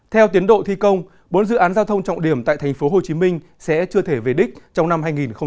theo tiến độ thi công bốn dự án giao thông trọng điểm tại tp hcm sẽ chưa thể về đích trong năm hai nghìn hai mươi